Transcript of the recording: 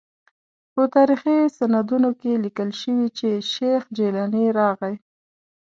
په تاریخي سندونو کې لیکل شوي چې شیخ جیلاني راغی.